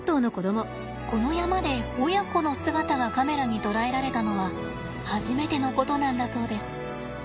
この山で親子の姿がカメラに捉えられたのは初めてのことなんだそうです。